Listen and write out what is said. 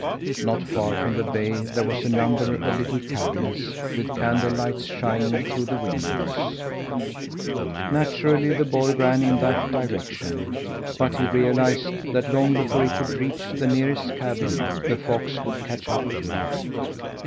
Not far from the bay there were a number of little cabins, with candle lights shining through the windows. Naturally the boy ran in that direction, but he realized that long before he could reach the nearest cabin the fox would catch up to him.